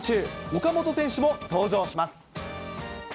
岡本選手も登場します。